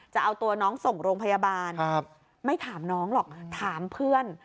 จะเอาตัวน้องส่งโรงพยาบาลไม่ถามน้องหรอกถามเพื่อน